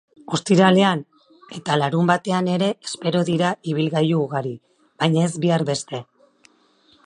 Ostiralean eta larunbatean ere espero dira ibilgailu ugari, baina ez bihar beste.